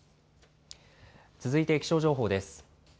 続いて気象情報です。